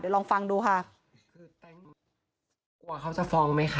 ลองฟังดูค่ะคือกลัวเขาจะฟ้องไหมคะ